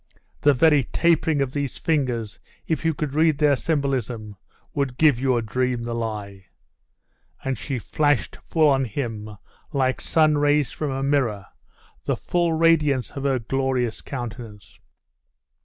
The very tapering of these fingers, if you could read their symbolism, would give your dream the lie.' And she flashed full on him, like sun rays from a mirror, the full radiance of her glorious countenance.